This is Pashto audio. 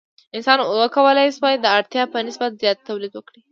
انسان وکولی شوای د اړتیا په نسبت زیات تولید وکړي.